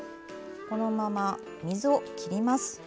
このまま水を切ります。